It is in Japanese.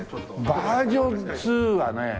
バージョン２はね